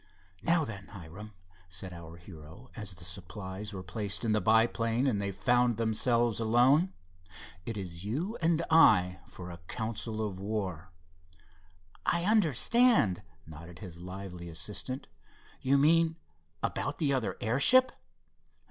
"Now then, Hiram," said our hero, as the supplies were placed in the biplane and they found themselves alone, "it is you and I for a council of war." "I understand," nodded his lively assistant—"you mean about the other airship?"